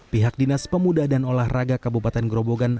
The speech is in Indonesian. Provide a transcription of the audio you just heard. pihak dinas pemuda dan olahraga kabupaten grobogan